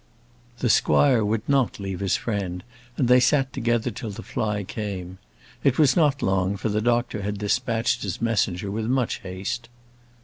The squire would not leave his friend, and they sat together till the fly came. It was not long, for the doctor had dispatched his messenger with much haste.